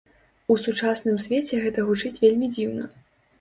У сучасным свеце гэта гучыць вельмі дзіўна.